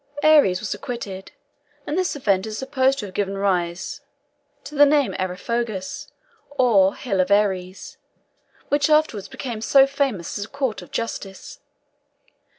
Ares was acquitted, and this event is supposed to have given rise to the name Areopagus (or Hill of Ares), which afterwards became so famous as a court of justice.